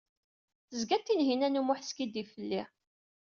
Tezga Tinhinan u Muḥ teskidib fell-i.